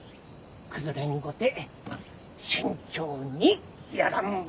崩れんごて慎重にやらんば。